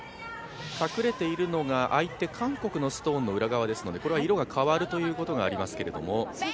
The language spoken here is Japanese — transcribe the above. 隠れているのが相手、韓国のストーンの裏側ですのでこれは色が変わるということがありますけれども。